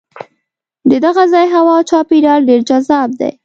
د دغه ځای هوا او چاپېریال ډېر جذاب دی.